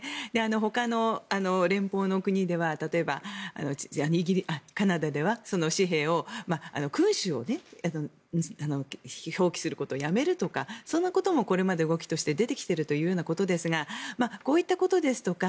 ほかの連邦の国では例えば、カナダでは紙幣に君主を表記することをやめるとかそんなこともこれまで動きとして出てきているということですがこういったことですとか